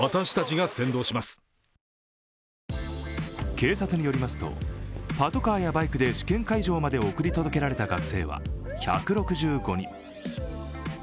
警察によりますと、パトカーやバイクで試験会場まで送り届けられた学生は１６５人。